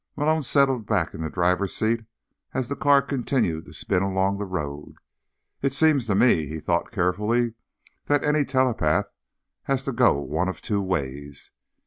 Malone settled back in the driver's seat as the car continued to spin along the road. It seems to me, he thought carefully, _that any telepath has to go one of two ways.